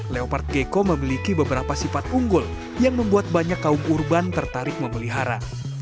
leopard gecko memiliki beberapa sifat unggul yang membuat banyak kaum urban tertarik memelihara